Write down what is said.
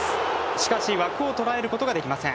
しかし枠を捉えることができません。